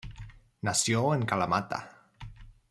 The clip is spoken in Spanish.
Nació en Kalamata.